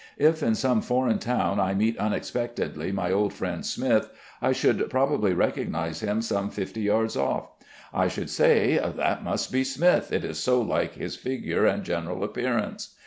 If in some foreign town I meet unexpectedly my old friend Smith, I should probably recognize him some fifty yards off. I should say: "That must be Smith, it is so like his figure and general appearance."